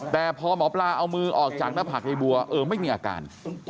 แต่พอหมอปลาเอามือออกจากหน้าผากในบัวเออไม่มีอาการ